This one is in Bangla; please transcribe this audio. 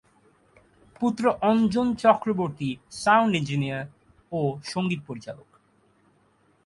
পুত্র অঞ্জন চক্রবর্তী সাউন্ড ইঞ্জিনিয়ার ও সঙ্গীত পরিচালক।